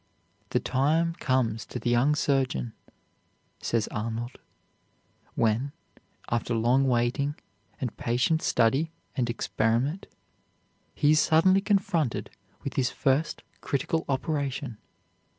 "The time comes to the young surgeon," says Arnold, "when, after long waiting, and patient study and experiment, he is suddenly confronted with his first critical operation.